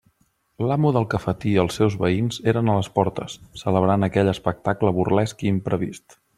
L'amo del cafetí i els seus veïns eren a les portes, celebrant aquell espectacle burlesc i imprevist.